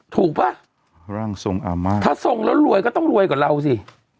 ถูกป่ะถ้าทรงแล้วรวยก็ต้องรวยกว่าเราสิ